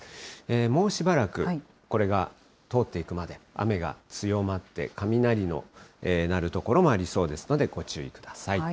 もうしばらく、これが通っていくまで雨が強まって、雷の鳴る所もありそうですので、ご注意ください。